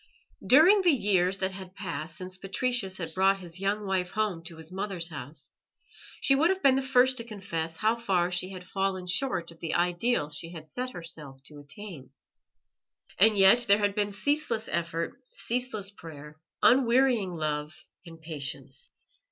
During the years that had passed since Patricius had brought his young wife home to his mother's house, she would have been the first to confess how far she had fallen short of the ideal she had set herself to attain. And yet there had been ceaseless effort, ceaseless prayer, unwearying love and patience.